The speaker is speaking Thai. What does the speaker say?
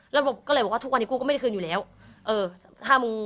แล้วผมก็เลยบอกว่าทุกวันนี้กูก็ไม่ได้คืนอยู่แล้วเออห้ามึง